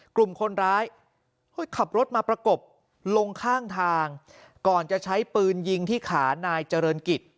กลุ่มคนร้ายขับรถมาประกบลงข้างทางก่อนจะใช้ปืนยิงที่ขานายเจริญกิจ